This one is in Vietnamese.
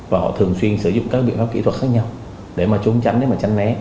và họ thường xuyên sử dụng các biện pháp kỹ thuật khác nhau để mà trốn tránh để mà tránh né